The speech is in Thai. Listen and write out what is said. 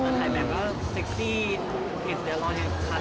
เห็นเดี๋ยวรอให้ค่าส่อง